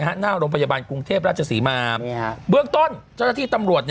หน้าโรงพยาบาลกรุงเทพราชศรีมาเบื้องต้นเจ้าหน้าที่ตำรวจ